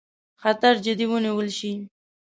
خطر جدي ونیول شي.